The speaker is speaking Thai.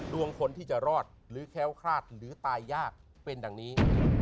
ดวงคนที่จะรอดหรือแค้วคลาดหรือตายยากเป็นดังนี้